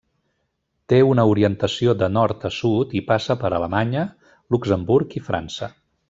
Té una orientació de nord a sud i passa per Alemanya, Luxemburg i França.